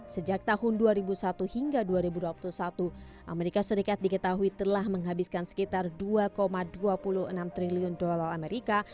sejak tahun dua ribu satu hingga dua ribu dua puluh satu amerika serikat diketahui telah menghabiskan sekitar dua dua puluh enam triliun dolar amerika